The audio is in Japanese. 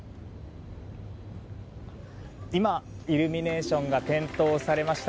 今、イルミネーションが点灯されました。